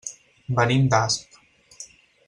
Venim d'Asp.